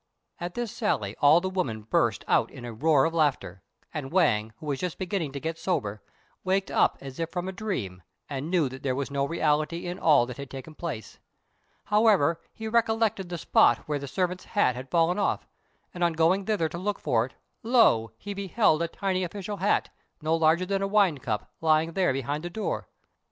At this sally all the women burst out in a roar of laughter; and Wang, who was just beginning to get sober, waked up as if from a dream, and knew that there was no reality in all that had taken place. However, he recollected the spot where the servant's hat had fallen off, and on going thither to look for it, lo! he beheld a tiny official hat, no larger than a wine cup, lying there behind the door.